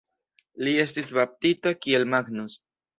Li estis baptita kiel Magnus.